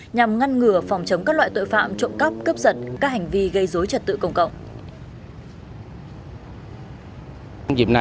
nhằm ngăn ngừa phòng chống các loại tội phạm trộm cắp cướp giật các hành vi gây dối trật tự công cộng